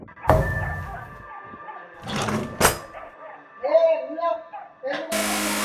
这个世界也有许多不同时代的人们身陷其中而无法离开。